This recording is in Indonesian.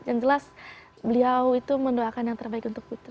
yang jelas beliau itu mendoakan yang terbaik untuk putri